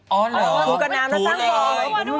อ๋อเหรอถุงกับน้ำแล้วสร้างฟอง